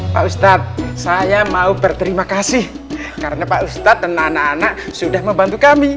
pak ustadz saya mau berterima kasih karena pak ustadz dan anak anak sudah membantu kami